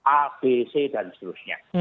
abc dan seterusnya